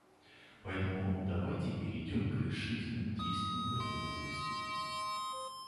Поэтому давайте перейдем к решительным действиям в этой области.